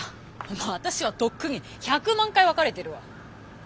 もう私はとっくに１００万回別れてるわ。